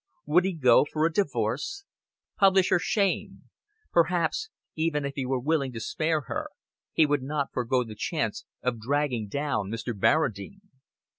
Would he go for a divorce? Publish her shame? Perhaps, even if he were willing to spare her, he would not forego the chance of dragging down Mr. Barradine.